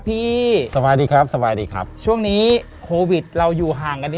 พี่สวัสดีครับสวัสดีครับช่วงนี้โควิดเราอยู่ห่างกันนิด